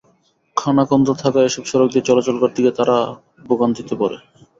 খানাখন্দ থাকায় এসব সড়ক দিয়ে চলাচল করতে গিয়ে তারাও ভোগান্তিতে পড়ে।